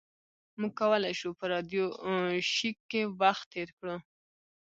موږ کولی شو په راډیو شیک کې وخت تیر کړو